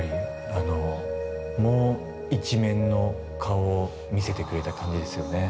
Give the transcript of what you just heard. もう一面の顔を見せてくれた感じですよね。